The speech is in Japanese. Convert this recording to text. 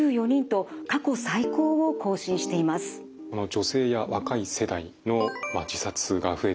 女性や若い世代の自殺が増えている。